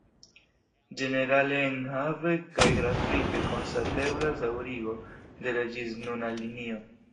Ĝenerale enhave kaj grafike konstateblas daŭrigo de la ĝisnuna linio.